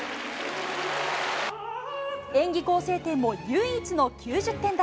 演技構成点も、唯一の９０点台。